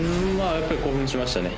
やっぱり興奮しましたね